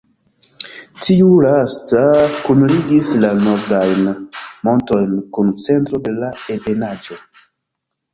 Tiu lasta kunligis la nordajn montojn kun centro de la ebenaĵo.